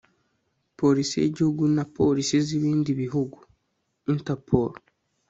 police y'igihugu na polisi z'ibindi bihugu (interpol